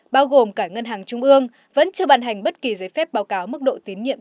bao gồm cả ngân hàng trung ương vẫn chưa bàn hành bất kỳ giấy phép báo cáo mức độ tín nhiệm